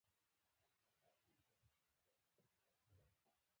پنېر د غذایي کمښت مخنیوی کوي.